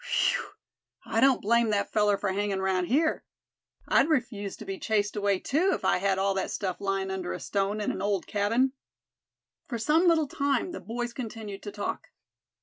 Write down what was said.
Whew! I don't blame that feller for hangin' around here. I'd refuse to be chased away too, if I had all that stuff lyin' under a stone in an old cabin." For some little time the boys continued to talk.